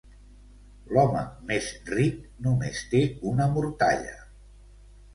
L'home més ric només té una mortalla.